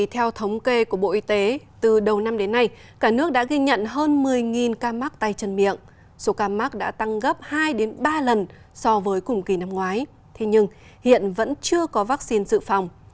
theo thống kê của bộ y tế từ đầu năm đến nay cả nước đã ghi nhận hơn một mươi ca mắc tay chân miệng số ca mắc đã tăng gấp hai ba lần so với cùng kỳ năm ngoái thế nhưng hiện vẫn chưa có vaccine dự phòng